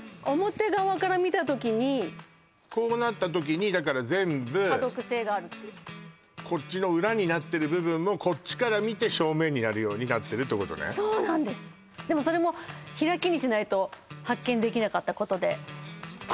表側から見た時にこうなった時にだから全部可読性があるっていうこっちの裏になってる部分もこっちから見て正面になるようになってるってことねそうなんですでもそれもって言うのね